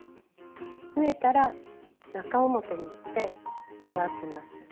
縫えたら中表にして合わせます。